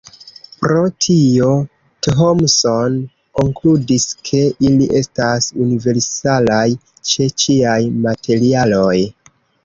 Pro tio, Thomson konkludis, ke ili estas universalaj ĉe ĉiaj materialoj.